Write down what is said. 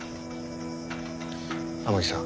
天樹さん